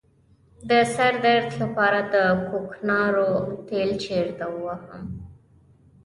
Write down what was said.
د سر درد لپاره د کوکنارو تېل چیرته ووهم؟